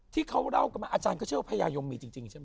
ที่เขาเล่ากันมาอาจารย์ก็เชื่อว่าพญายมมีจริงใช่ไหม